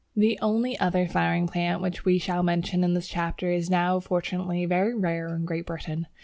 The only other flowering plant which we shall mention in this chapter is now fortunately very rare in Great Britain.